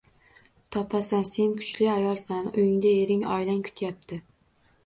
-Topasan. Sen kuchli ayolsan. Uyingda ering, oilang kutyapti.